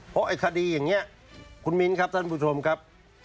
เพราะไอ้คดีอย่างนี้คุณมิ้นครับท่านผู้ชมครับ